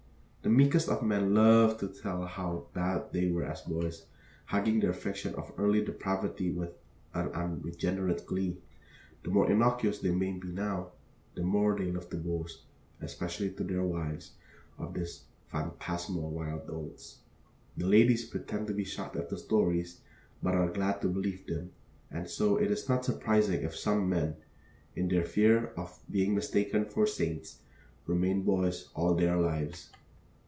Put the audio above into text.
The meekest of men love to tell how bad they were as boys, hugging their fiction of early depravity with an unregenerate glee. The more innocuous they may be now, the more they love to boast especially to their wives of these phantasmal wild oats. The ladies pretend to be shocked at the stories, but are glad to believe them; and so it is not surprising if some men, in their fear of being mistaken for saints, remain boys all their lives.